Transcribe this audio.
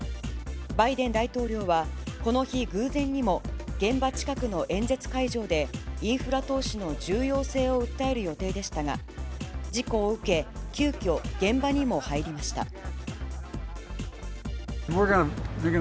バイデン大統領は、この日、偶然にも現場近くの演説会場でインフラ投資の重要性を訴える予定でしたが、事故を受け、急きょ現場にも入りました。